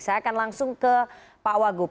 saya akan langsung ke pak wagub